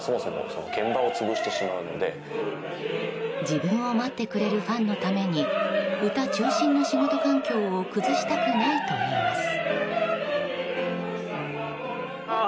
自分を待ってくれるファンのために歌中心の仕事環境を崩したくないといいます。